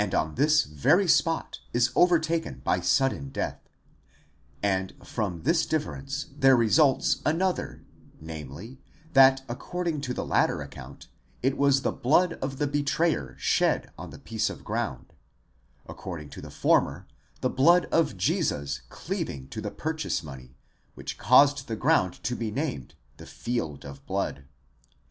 on this very spot is overtaken by sudden death; and from this differ ence there results another, namely, that according to the latter account, it was the blood of the betrayer shed on the piece of ground, according to the former, the blood of Jesus cleaving to the purchase money, which caused the ground to be named ¢he field of blood, ἀγρὸς or χωρίον αἵματος.